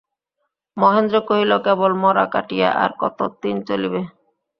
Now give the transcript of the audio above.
মহেন্দ্র কহিল, কেবল মড়া কাটিয়া আর কত দিন চলিবে।